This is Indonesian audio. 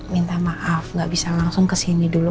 minta maaf nggak bisa langsung kesini dulu